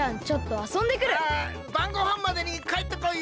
あばんごはんまでにかえってこいよ！